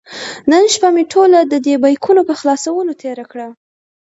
نن شپه مې ټوله د دې بیکونو په خلاصولو تېره کړې.